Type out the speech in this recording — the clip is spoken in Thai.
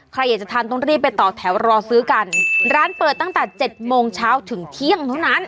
ใครอยากจะทานต้องรีบไปต่อแถวรอซื้อกันร้านเปิดตั้งแต่เจ็ดโมงเช้าถึงเที่ยงเท่านั้น